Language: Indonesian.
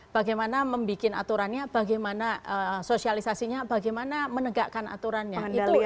bagaimana membuat aturannya bagaimana sosialisasinya bagaimana menegakkan aturannya